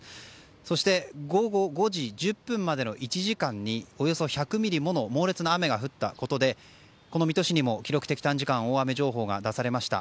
そして、午後５時１０分までの１時間におよそ１００ミリもの猛烈な雨が降ったことでこの水戸市にも記録的短時間大雨情報が出されました。